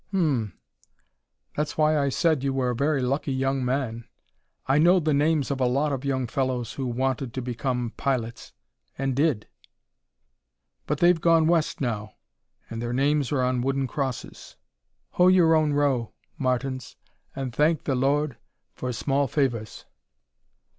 "Um m. That's why I said you were a very lucky young man. I know the names of a lot of young fellows who wanted to become pilots and did. But they've gone West now and their names are on wooden crosses. Hoe your own row, Martins, and thank the Lord for small favors."